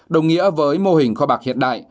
đồng nghĩa với mô hình kho bạc hiện đại